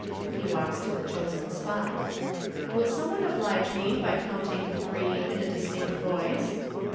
(He walks to the chosen spot.) " Will some one oblige me by counting three in a distinct voice."